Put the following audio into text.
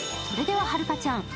それでは遥ちゃん